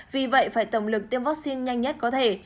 vì vậy phải tổng lực tiêm vaccine nhanh nhất có thể